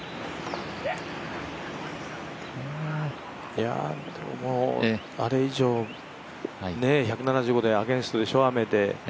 いやあれ以上、１７５でアゲンストでしょ、雨で。